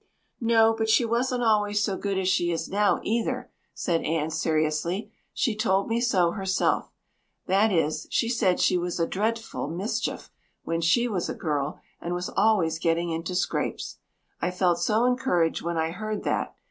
"No; but she wasn't always so good as she is now either," said Anne seriously. "She told me so herself that is, she said she was a dreadful mischief when she was a girl and was always getting into scrapes. I felt so encouraged when I heard that.